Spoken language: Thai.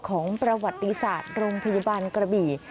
ของประวัติศาสตร์โรงพยาบาลกระบี่